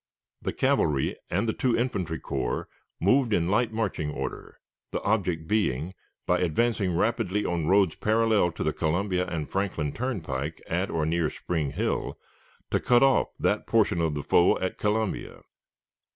The cavalry and the two infantry corps moved in light marching order, the object being, by advancing rapidly on roads parallel to the Columbia and Franklin turnpike at or near Spring Hill, to cut off that portion of the foe at Columbia.